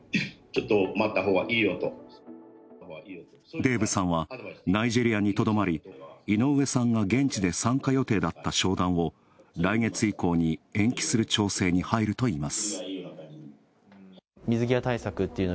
デイブさんはナイジェリアにとどまり井上さんが現地で参加予定だった商談を来月以降に延期する調整に入るといいます。